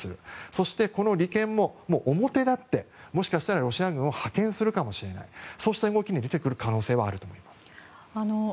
そしてこの利権も表立ってもしかしたらロシア軍を派遣するかもしれないそうした動きに出てくる可能性はあると思います。